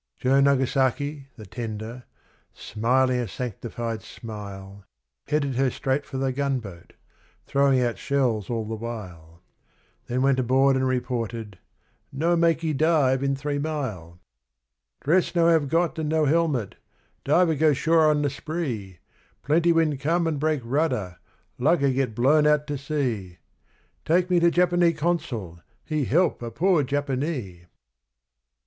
Joe Nagasaki, the 'tender', smiling a sanctified smile, Headed her straight for the gunboat throwing out shells all the while Then went aboard and reported, 'No makee dive in three mile! 'Dress no have got and no helmet diver go shore on the spree; Plenty wind come and break rudder lugger get blown out to sea: Take me to Japanee Consul, he help a poor Japanee!' ....